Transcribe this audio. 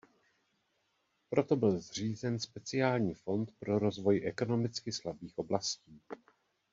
Proto byl zřízen speciální fond pro rozvoj ekonomicky slabých oblastí.